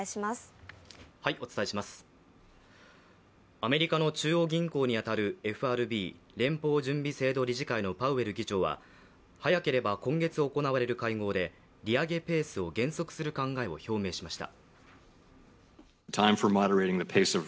アメリカの中央銀行に当たるＦＲＢ＝連邦準備制度理事会のパウエル議長は早ければ今月行われる会合で利上げペースを減速する考えを表明しました。